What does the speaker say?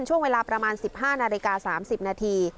ช่วงเวลาประมาณ๑๕นาฬิกา๓๐นาที